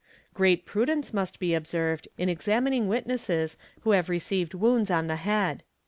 Great prudence must be observed in examining witnesses who have received wounds on the head.